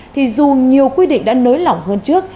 thì dù nhiều quy định đã nới lỏng hơn trước